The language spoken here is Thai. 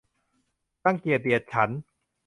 รังเกียจเดียดฉันท์